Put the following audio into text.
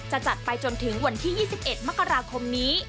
จะจัดไปจนถึงวันที่ยี่สิบเอ็ดมกราคมนี้